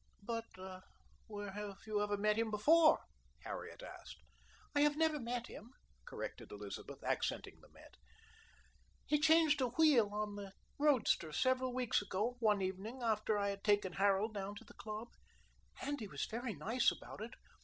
"But where have you ever met him before?" Harriet asked. "I have never met him," corrected Elizabeth, accenting the "met." "He changed a wheel on the roadster several weeks ago one evening after I had taken Harold down to the club. And he was very nice about it.